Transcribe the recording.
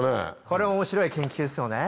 これ面白い研究ですよね。